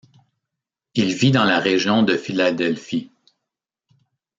Il vit dans la région de Philadelphie.